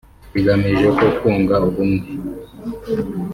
Igamije ko kunga ubumwe